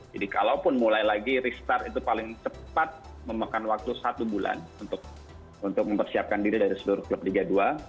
jadi kalaupun mulai lagi restart itu paling cepat memakan waktu satu bulan untuk mempersiapkan diri dari seluruh klub liga dua